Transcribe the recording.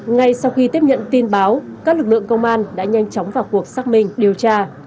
ngay sau khi tiếp nhận tin báo các lực lượng công an đã nhanh chóng vào cuộc xác minh điều tra